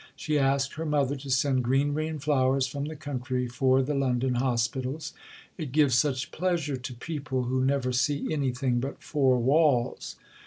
She asked her mother to send greenery and flowers from the country for the London hospitals: "It gives such pleasure to people who never see anything but four walls."